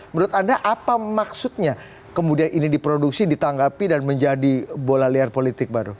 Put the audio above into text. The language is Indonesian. menurut anda apa maksudnya kemudian ini diproduksi ditanggapi dan menjadi bola liar politik baru